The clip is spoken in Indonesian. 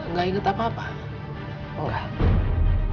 nwakasih kasih sekarang miss